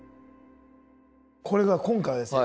これが今回はですね